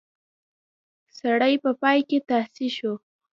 سړی په پای کې تاسی شو.